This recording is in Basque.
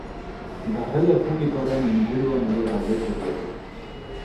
Garraio publikoaren inguruan ere galdetu diogu.